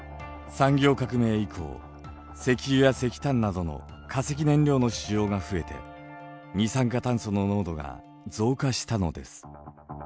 産業革命以降石油や石炭などの化石燃料の使用が増えて二酸化炭素の濃度が増加したのです。